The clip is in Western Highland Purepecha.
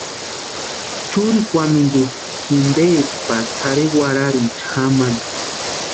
Churikwamintusï jinteeti pari tʼarhe warhiriecha jamani.